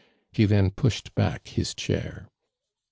He tlien pushed back his chair.